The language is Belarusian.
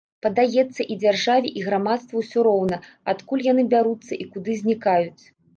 Падаецца, і дзяржаве, і грамадству ўсё роўна, адкуль яны бяруцца і куды знікаюць.